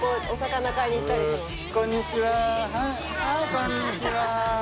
こんにちは。